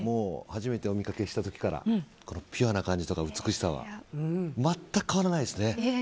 初めてお見かけした時からピュアな感じとか美しさは全く変わらないですね。